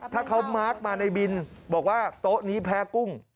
ถ้าเขามาร์คมาในบินบอกว่าโต๊ะนี้แพ้กุ้ง